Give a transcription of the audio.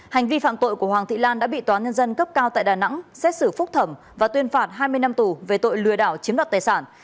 hành vi phạm tội của hoàng thị lan đã bị tòa nhân dân cấp cao tại đà nẵng xét xử phúc thẩm và tuyên phạt hai mươi năm tù về tội lừa đảo chiếm đoạt tài sản